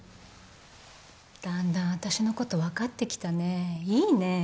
だんだん私のこと分かってきたねえいいねえ